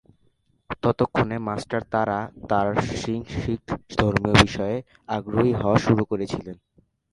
ততক্ষণে মাস্টার তারা তারা সিং শিখ ধর্মীয় বিষয়ে আগ্রহী হওয়া শুরু করেছিলেন।